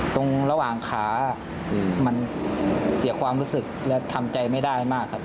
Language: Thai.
ตรงระหว่างขามันเสียความรู้สึกและทำใจไม่ได้มากครับ